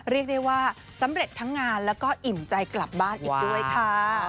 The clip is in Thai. เรียกได้ว่าสำเร็จทั้งงานแล้วก็อิ่มใจกลับบ้านอีกด้วยค่ะ